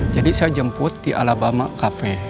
jadi saya jemput di alabama cafe